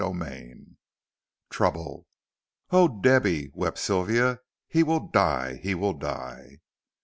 CHAPTER V TROUBLE "Oh, Debby," wept Sylvia, "he will die he will die."